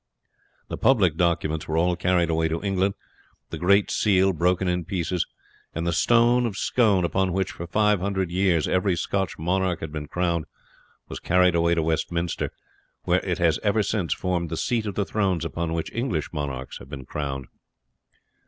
The public documents were all carried away to England, the great seal broken in pieces, and the stone of Scone upon which, for five hundred years, every Scotch monarch had been crowned was carried away to Westminster, where it has ever since formed the seat of the thrones upon which English monarchs have been crowned.